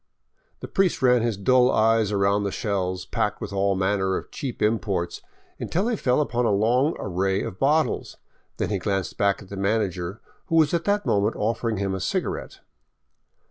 The priest ran his dull eyes around the shelves, packed with all man ner of cheap imports, until they fell upon a long array of bottles. Then he glanced back at the manager, who was at that moment offering him a cigarette.